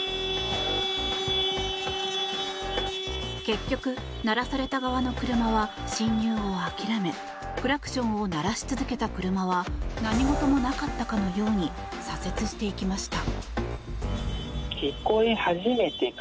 結局、鳴らされた側の車は進入を諦めクラクションを鳴らし続けた車は何事もなかったかのように左折していきました。